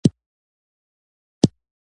نو ډاډه اوسئ چې هرو مرو به يې ترلاسه کړئ.